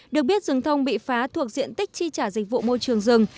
được biết rừng thông bị phá thuộc diện tích chi trả dịch vụ môi trường rừng